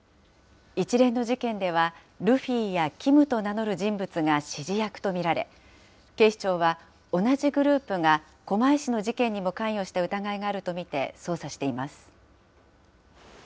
一連の事件ではルフィやキムと名乗る人物が指示役と見られ、警視庁は同じグループが、狛江市の事件にも関与した疑いがあると見て捜査しています。